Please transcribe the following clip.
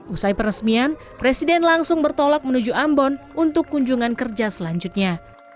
usai peresmian presiden langsung bertolak menuju ambon untuk kunjungan kerja selanjutnya